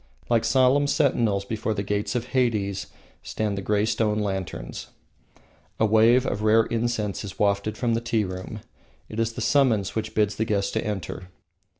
Like solemn sentinels before the gates of Hades stand the grey stone lanterns. A wave of rare incense is wafted from the tea room; it is the summons which bids the guests to enter.